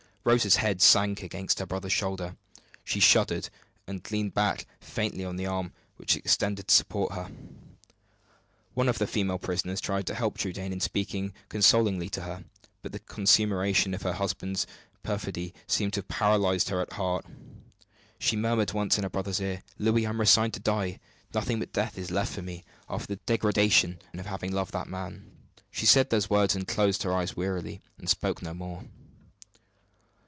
Rose's head sank again on her brother's shoulder. She shuddered, and leaned back faintly on the arm which he extended to support her. One of the female prisoners tried to help Trudaine in speaking consolingly to her; but the consummation of her husband's perfidy seemed to have paralyzed her at heart. She murmured once in her brother's ear, "Louis! I am resigned to die nothing but death is left for me after the degradation of having loved that man." She said those words and closed her eyes wearily, and spoke no more.